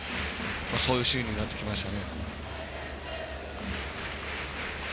そういうシーンになってきました。